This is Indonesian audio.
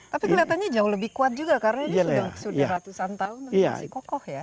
tapi kelihatannya jauh lebih kuat juga karena ini sudah ratusan tahun masih kokoh ya